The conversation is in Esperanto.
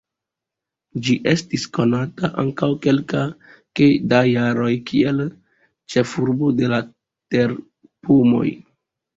Ĝi estis konata antaŭ kelke da jaroj kiel "ĉefurbo de la terpomoj".